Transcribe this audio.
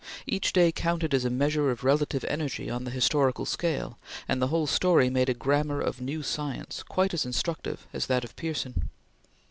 Each day counted as a measure of relative energy on the historical scale, and the whole story made a Grammar of new Science quite as instructive as that of Pearson.